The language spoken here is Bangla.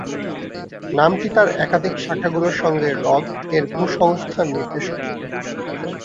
নামটি তার একাধিক শাখাগুলির সঙ্গে হ্রদ এর ভূসংস্থান নির্দেশক।